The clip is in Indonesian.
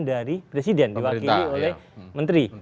dari presiden diwakili oleh menteri